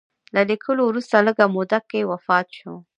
له لیکلو وروسته لږ موده کې وفات شو.